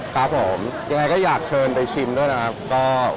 ครับผมยังไงก็อยากเชิญไปชิมด้วยนะครับ